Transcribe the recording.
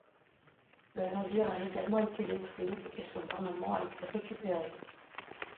Le navire a également été détruit et son armement a été récupéré.